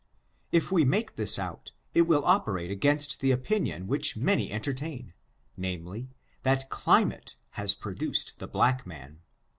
If we make this out, it will operate against the opinion which many entertain, namely, that climate has produced the black man.